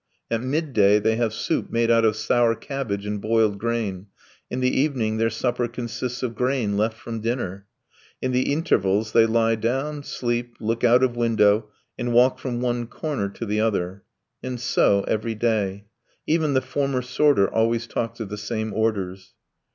At midday they have soup made out of sour cabbage and boiled grain, in the evening their supper consists of grain left from dinner. In the intervals they lie down, sleep, look out of window, and walk from one corner to the other. And so every day. Even the former sorter always talks of the same orders.